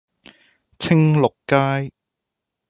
青綠街